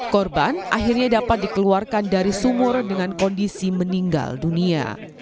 korban akhirnya dapat dikeluarkan dari sumur dengan kondisi meninggal dunia